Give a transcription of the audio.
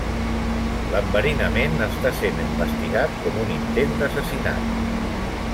L'enverinament està sent investigat com un intent d'assassinat.